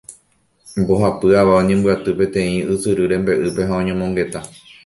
"Mbohapy ava oñembyaty peteĩ ysyry rembe'ýpe ha oñomongeta.